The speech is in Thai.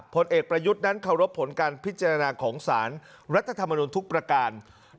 ผลเอกประยุทธ์นั้นเคารพผลการพิจารณาของสารรัฐธรรมนุนทุกประการ